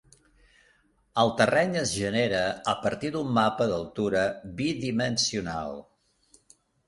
El terreny es genera a partir d'un mapa d'altura bidimensional.